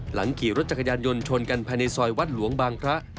หลังขี่รถจักรยานยนต์ชนกันภายในซอยวัดหลวงบางพระ